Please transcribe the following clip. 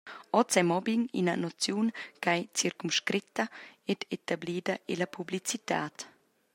Oz ei mobbing ina noziun ch’ei circumscretta ed etablida ella publicitad.